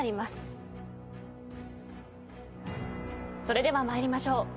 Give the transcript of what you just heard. それでは参りましょう。